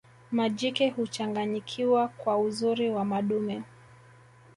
majike huchanganyikiwa kwa uzuri wa madume